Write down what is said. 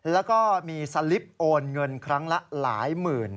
แล้วก็มีสลิปโอนเงินครั้งละหลายหมื่น